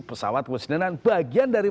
pesawat kepesidenan bagian dari